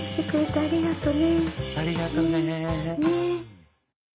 ありがとね。